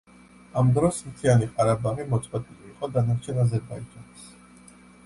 ამ დროს, მთიანი ყარაბაღი მოწყვეტილი იყო დანარჩენ აზერბაიჯანს.